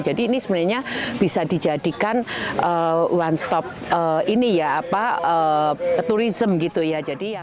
jadi ini sebenarnya bisa dijadikan one stop ini ya turism gitu ya